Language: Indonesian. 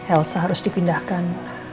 elsa harus dipindahkan